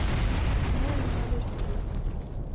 Nyonyi yaw'epuruka